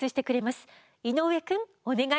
井上くんお願い。